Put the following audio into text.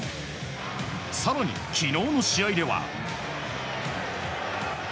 更に、昨日の試合では。